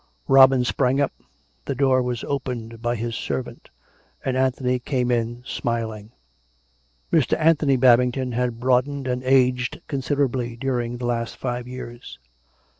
Robin sprang up ; the door was opened by his " s'ervant," and Anthony came in, smiling. Mr. Anthony Babington had broadened and aged con siderably during the last five years.